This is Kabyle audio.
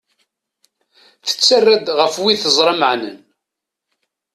Tettara-d ɣef wid teẓra meɛnen.